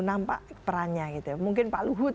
nampak perannya gitu mungkin pak luhut